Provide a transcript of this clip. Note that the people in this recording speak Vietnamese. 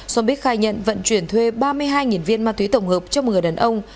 som bích khai nhận vận chuyển thuê ba mươi hai viên ma túy tổng hợp cho một người đàn ông